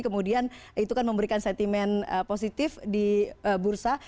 kemudian itu kan memberikan sentimen positif di bursa